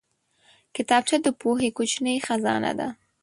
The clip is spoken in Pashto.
کتابچه د پوهې کوچنۍ خزانه ده